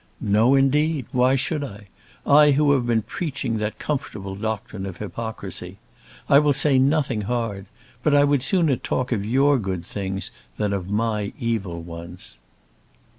"No, indeed! why should I, I who have been preaching that comfortable doctrine of hypocrisy? I will say nothing hard. But I would sooner talk of your good things than of my evil ones."